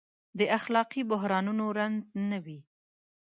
د اخلاقي بحرانونو رنځ نه وي.